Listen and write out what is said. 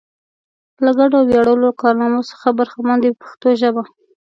له ګډو ویاړلو کارنامو څخه برخمن دي په پښتو ژبه.